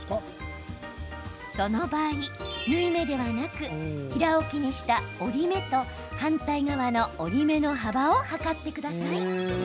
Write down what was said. その場合、縫い目ではなく平置きにした折り目と反対側の折り目の幅を測ってください。